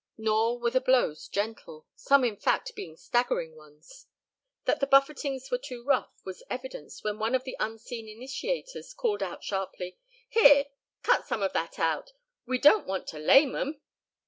Nor were the blows gentle, some in fact being staggering ones. That the buffetings were too rough was evidenced when one of the unseen initiators called out sharply: "Here, cut some of that out! We don't want to lame 'em."